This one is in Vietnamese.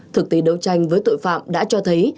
thực tế đấu tranh với tội phạm đã cho thấy